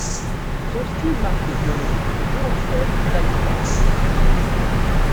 Son style marie le violon, le violoncelle et la guitare.